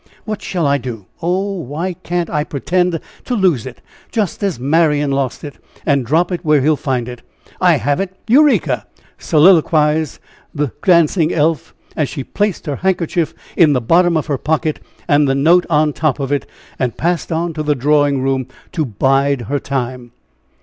What shall I do! Oh! Why, can't I pretend to lose it, just as Marian lost it, and drop it where he'll find it? I have it! Eureka!" soliloquized the dancing elf, as she placed her handkerchief in the bottom of her pocket, and the note on top of it, and passed on to the drawing room to "bide her time."